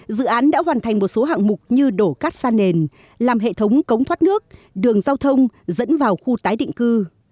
dự án đã hoàn thành một số hạng mục như đổ cắt sa nền làm hệ thống cống thoát nước đường giao thông dẫn vào khu tái định cư